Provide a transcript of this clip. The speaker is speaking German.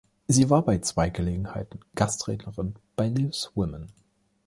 Sie war bei zwei Gelegenheiten Gastrednerin bei "Loose Women".